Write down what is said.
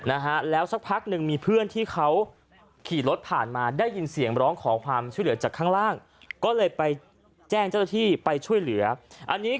นะฮะแล้วสักพักหนึ่งมีเพื่อนที่เขาขี่รถผ่านมาได้ยินเสียงร้องขอความช่วยเหลือจากข้างล่างก็เลยไปแจ้งเจ้าหน้าที่ไปช่วยเหลืออันนี้